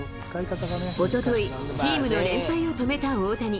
おととい、チームの連敗を止めた大谷。